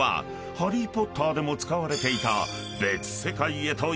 ［ハリー・ポッターでも使われていた］